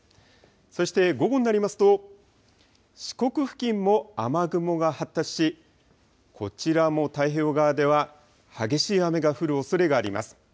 そして午後になりますと、四国付近も雨雲が発達し、こちらも太平洋側では、激しい雨が降るおそれがあります。